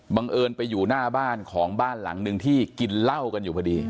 เอิญไปอยู่หน้าบ้านของบ้านหลังหนึ่งที่กินเหล้ากันอยู่พอดี